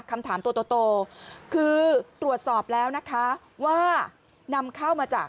คำถามตัวโตคือตรวจสอบแล้วนะคะว่านำเข้ามาจาก